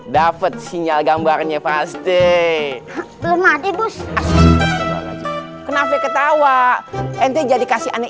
dapet sinyal gambarnya pasti belum ada bus kenapa ketawa ente jadi kasih aneh